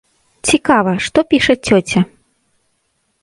Цікава, што піша цёця.